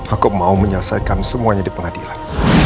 aku mau menyelesaikan semuanya di pengadilan